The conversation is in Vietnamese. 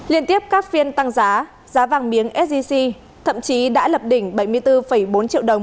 liên tiếp các phiên tăng giá giá vàng miếng sgc thậm chí đã lập đỉnh bảy mươi bốn bốn triệu đồng